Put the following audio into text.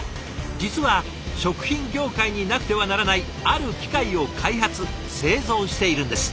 実は食品業界になくてはならないある機械を開発・製造しているんです。